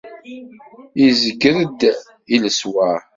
Izger-d i leswar.